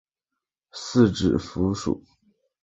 四指蝠属。